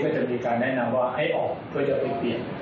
ก็จะมีการแนะนำว่าให้ออกเพื่อจะไปเปลี่ยน